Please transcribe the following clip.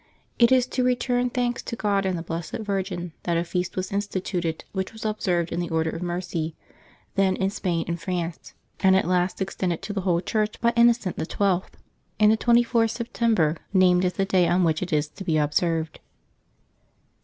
It is to return thanks to God and the Blessed Virgin that a feast was instituted which was observed in the Order of Mercy, then in Spain and France, and at last extended to the whole Church by Innocent XII., and the 24th September named as the day on which it is to be observed.